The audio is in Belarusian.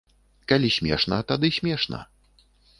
Калі смешна, тады смешна.